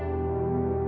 anda mau kemana wer